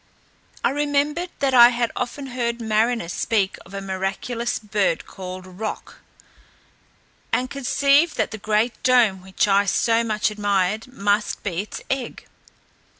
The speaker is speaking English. I remembered that I had often heard mariners speak of a miraculous bird called Roc, and conceived that the great dome which I so much admired must be its egg.